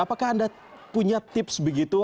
apakah anda punya tips begitu